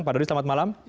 pak dodi selamat malam